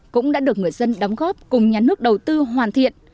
cũng đã được người dân đóng góp cùng nhà nước đầu tư hoàn thiện